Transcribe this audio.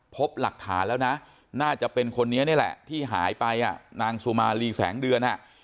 พบหลักฐานแล้วนะน่าจะเป็นคนนี้นี่แหละที่หายไปอ่ะนางสุมารีแสงเดือน